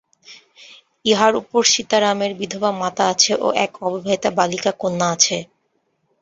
ইহার উপর সীতারামের বিধবা মাতা আছে ও এক অবিবাহিতা বালিকা কন্যা আছে।